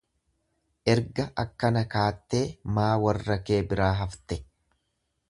Erga akkana kaattee maa warra kee biraa hafte.